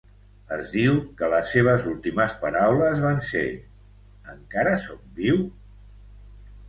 Es diu que les seves últimes paraules van ser "Encara sóc viu?".